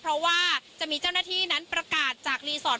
เพราะว่าจะมีเจ้าหน้าที่นั้นประกาศจากรีสอร์ท